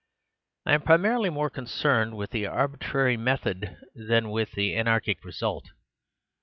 I am primarily more concerned with the arbitrary method than with the anarchic result.